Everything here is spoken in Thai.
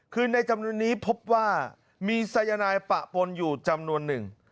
คือในจำนวนนี้พบว่ามีสายนายปะปนอยู่จำนวนหนึ่ง